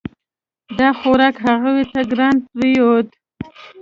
دا خوراک هغوی ته ګران پریوت.